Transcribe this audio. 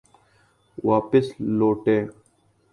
واپس لوٹے۔